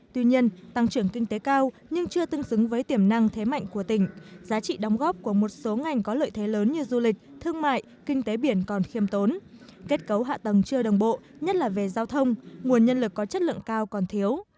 tuy nhiên tăng trưởng kinh tế cao nhưng chưa tương xứng với tiềm năng thế mạnh của tỉnh giá trị đóng góp của một số ngành có lợi thế lớn như du lịch thương mại kinh tế biển còn khiêm tốn kết cấu hạ tầng chưa đồng bộ nhất là về giao thông nguồn nhân lực có chất lượng cao còn thiếu